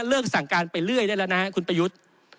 สั่งการไปเรื่อยได้แล้วนะฮะคุณประยุทธ์